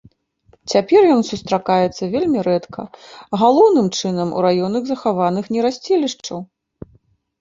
Цяпер ён сустракаецца вельмі рэдка, галоўным чынам у раёнах захаваных нерасцілішчаў.